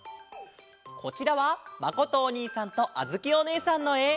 こちらはまことおにいさんとあづきおねえさんのえ。